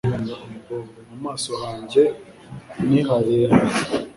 mu maso hanjye niharehare